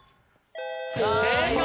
正解！